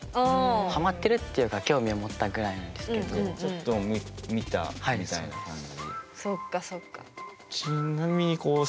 ハマってるっていうか興味を持ったぐらいちょっと見たみたいな感じ。